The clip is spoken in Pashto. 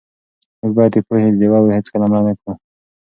موږ باید د پوهې ډېوه هېڅکله مړه نه کړو.